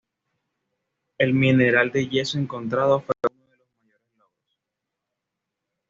El mineral de yeso encontrado fue uno de los mayores logros.